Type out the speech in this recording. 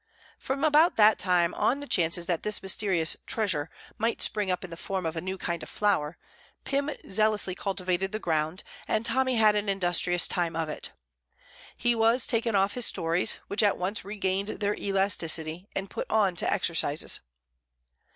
From about that time, on the chances that this mysterious treasure might spring up in the form of a new kind of flower, Pym zealously cultivated the ground, and Tommy had an industrious time of it. He was taken off his stories, which at once regained their elasticity, and put on to exercises.